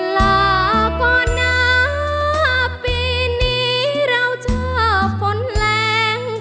ลาก่อนนะปีนี้เราเจอฝนแรง